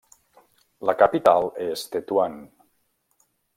La capital és Tetuan.